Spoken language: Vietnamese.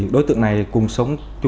đối tượng này cùng sống